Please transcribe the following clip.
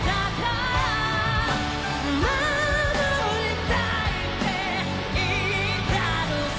「守りたいって言ったのさ」